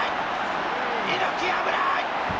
猪木危ない！